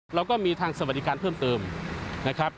เราก็มีทางสวัสดิการเพิ่มเติมนะครับ